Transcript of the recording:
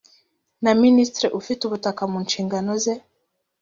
na minisitiri ufite ubutaka mu nshingano ze